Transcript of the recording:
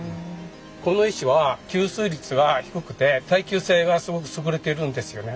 この石は吸水率が低くて耐久性がすごく優れてるんですよね。